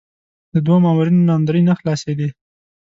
د دوو مامورینو ناندرۍ نه خلاصېدې.